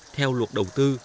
theo luật đầu tư